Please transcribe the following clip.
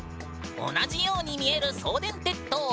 同じように見える送電鉄塔。